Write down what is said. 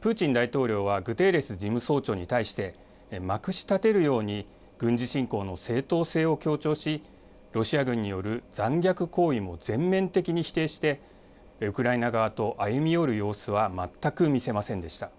プーチン大統領はグテーレス事務総長に対して、まくしたてるように軍事侵攻の正当性を強調し、ロシア軍による残虐行為も全面的に否定して、ウクライナ側と歩み寄る様子は全く見せませんでした。